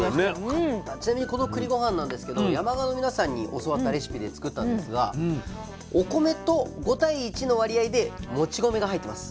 ちなみにこのくりごはんなんですけど山鹿の皆さんに教わったレシピで作ったんですがお米と５対１の割合でもち米が入ってます。